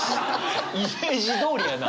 イメージどおりやな。